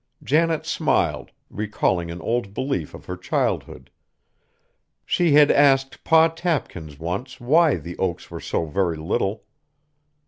Janet smiled, recalling an old belief of her childhood. She had asked Pa Tapkins once why the oaks were so very little.